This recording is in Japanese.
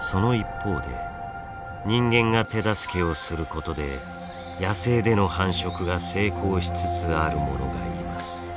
その一方で人間が手助けをすることで野生での繁殖が成功しつつあるものがいます。